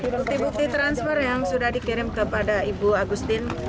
bukti bukti transfer yang sudah dikirim kepada ibu agustin